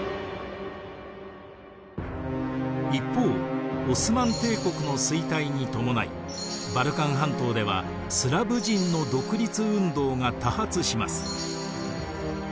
一方オスマン帝国の衰退に伴いバルカン半島ではスラヴ人の独立運動が多発します。